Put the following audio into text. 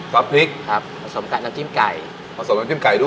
พริกครับผสมกับน้ำจิ้มไก่ผสมน้ำจิ้มไก่ด้วย